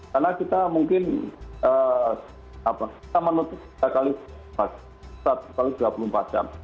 karena kita mungkin apa kita menutup tiga x satu x dua puluh empat jam